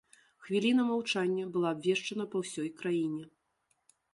Хвіліна маўчання была абвешчана па ўсёй краіне.